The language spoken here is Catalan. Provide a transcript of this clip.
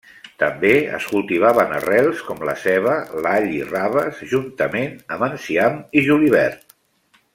També es cultivaven arrels com la ceba, l'all i raves, juntament amb enciam i julivert.